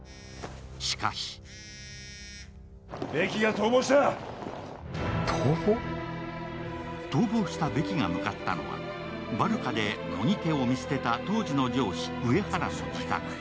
しかし逃亡したベキが向かったのはバルカで乃木家を見捨てた当時の上司・上原の自宅。